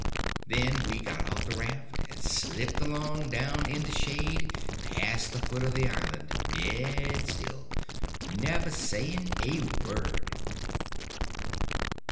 Then we got out the raft and slipped along down in the shade, past the foot of the island dead still—never saying a word.